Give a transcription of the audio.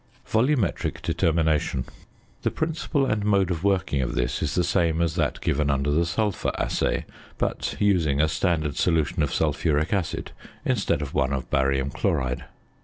VOLUMETRIC DETERMINATION. The principle and mode of working of this is the same as that given under the Sulphur Assay; but using a standard solution of sulphuric acid instead of one of barium chloride.